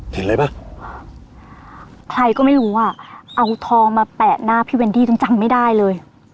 เห็นอะไรป่ะใครก็ไม่รู้อ่ะเอาทองมาแปะหน้าพี่เวนดี้จนจำไม่ได้เลย